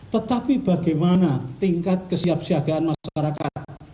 tetapi bagaimana tingkat kesiapsiagaan masyarakat